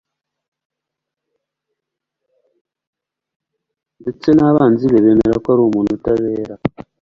Ndetse n'abanzi be bemera ko ari umuntu utabera.